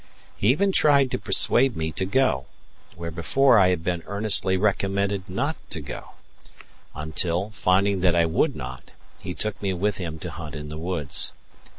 He even tried to persuade me to go, where before I had been earnestly recommended not to go, until, finding that I would not, he took me with him to hunt in the woods.